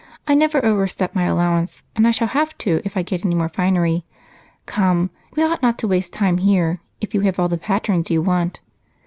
I never overstep my allowance, and I shall have to if I get any more finery. Come, we ought not to waste time here if you have all the patterns you want."